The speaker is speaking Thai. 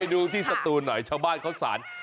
ดูที่สตูนหน่อยชาวบ้านเขาสาร